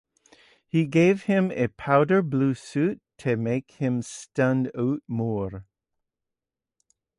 He gave him a powder blue suit to make him stand out more.